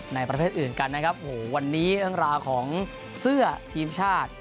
ประเภทอื่นกันนะครับโอ้โหวันนี้เรื่องราวของเสื้อทีมชาติ